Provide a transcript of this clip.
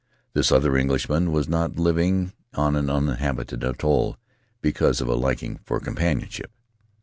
This other Englishman was not living on an uninhabited atoll because of a liking for companionship.